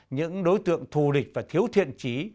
những đối tượng thù địch và thiếu thiện trí